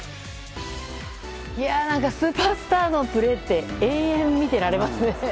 何かスーパースターのプレーって永遠に見てられますね。